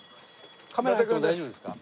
カメラ入っても大丈夫ですか？